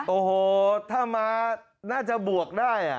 โอ้โหถ้ามาน่าจะบวกได้